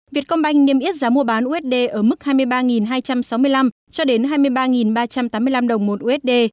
việt công banh niêm yết giá mua bán usd ở mức hai mươi ba hai trăm sáu mươi năm cho đến hai mươi ba ba trăm tám mươi năm đồng một usd